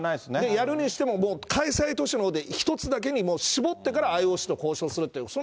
やるにしても、もう開催都市のほうで１つだけに絞ってからＩＯＣと交渉するとい